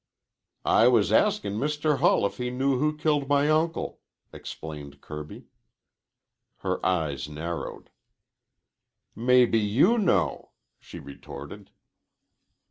"I was askin' Mr. Hull if he knew who killed my uncle," explained Kirby. Her eyes narrowed. "Maybe you know," she retorted.